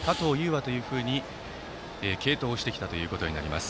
羽というふうに継投してきたことになります。